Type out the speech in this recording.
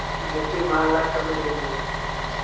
جيڪي مآل لآ ڪم ڏيݩ ديٚݩ۔